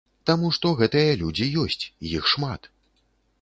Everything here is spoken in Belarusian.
Таму што гэтыя людзі ёсць, іх шмат.